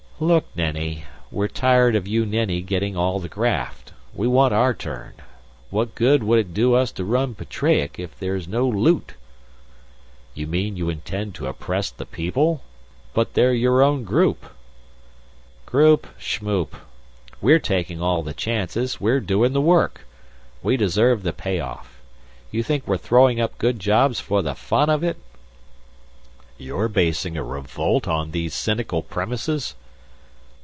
"Look, Nenni, we're tired of you Nenni getting all the graft. We want our turn. What good would it do us to run Petreac if there's no loot?" "You mean you intend to oppress the people? But they're your own group." "Group, schmoop. We're taking all the chances; we're doing the work. We deserve the payoff. You think we're throwing up good jobs for the fun of it?" "You're basing a revolt on these cynical premises?"